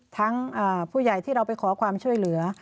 ทั้งผู้ใหญ่ที่เราไปขอความช่วยเหลือ